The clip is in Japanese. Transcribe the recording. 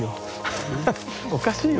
おかしいよ。